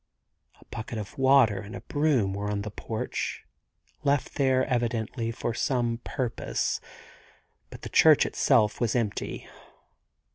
A bucket of water and a broom were in the porch, left there evidently for some purpose ; but the church itself was empty.